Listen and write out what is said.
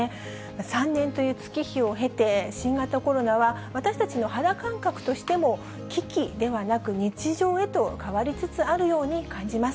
３年という月日を経て、新型コロナは、私たちの肌感覚としても、危機ではなく日常へと変わりつつあるように感じます。